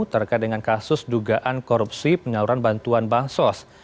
terkait dengan kasus adugan korupsi penyeluruhan bantuan bansos